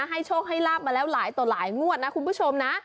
ให้โชคให้ลาบมาแล้วหลายต่อหลายงวดนะคุณผู้ชมนะ